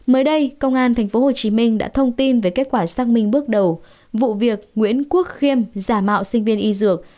mới đây công an tp hcm đã thông tin về kết quả xác minh bước đầu vụ việc nguyễn quốc khiêm giả mạo sinh viên y dược